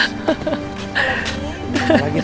sampai lagi ya